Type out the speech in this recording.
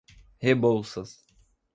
Rebouças